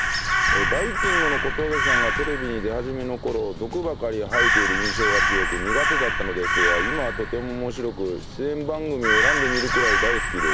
バイきんぐの小峠さんがテレビに出始めの頃毒ばかり吐いてる印象が強く苦手だったのですが今はとても面白く出演番組を選んで見るくらい大好きです。